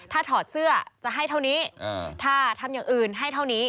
ถ้าถอดเสื้อจะให้เท่านี้ถ้าทำอย่างอื่นให้เท่านี้